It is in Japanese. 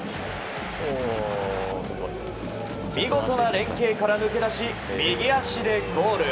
見事な連係から抜け出し右足でゴール。